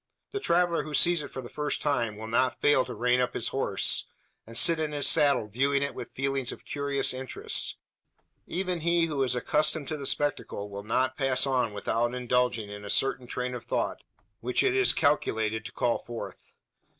The traveller who sees it for the first time will not fail to rein up his horse, and sit in his saddle, viewing it with feelings of curious interest. Even he who is accustomed to the spectacle will not pass on without indulging in a certain train of thought which it is calculated to call forth.